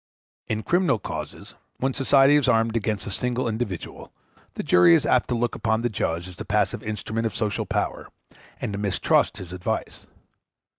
In criminal causes, when society is armed against a single individual, the jury is apt to look upon the judge as the passive instrument of social power, and to mistrust his advice.